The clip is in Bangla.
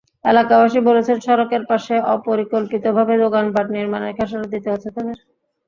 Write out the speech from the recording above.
এলাকাবাসী বলছেন, সড়কের পাশে অপরিকল্পিতভাবে দোকানপাট নির্মাণের খেসারত দিতে হচ্ছে তাঁদের।